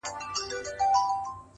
تور یم، موړ یمه د ژوند له خرمستیو.